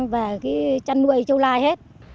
về chăn nuôi châu lai hết